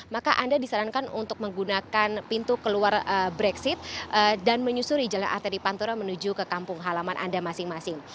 maka anda disarankan untuk menggunakan pintu keluar brexit dan menyusuri jalan arteri pantura menuju ke kampung halaman anda masing masing